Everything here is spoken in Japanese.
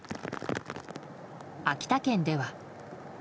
秋田県では。